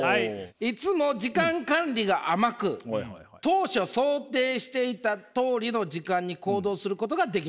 「いつも時間管理が甘く当初想定していたとおりの時間に行動することができません。